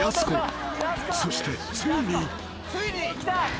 そしてついに］